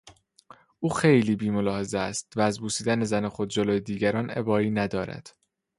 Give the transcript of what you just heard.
او خیلی بیملاحظه است و از بوسیدن زن خود جلو دیگران ابایی ندارد.